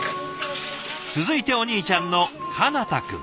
続いてお兄ちゃんの叶大くん。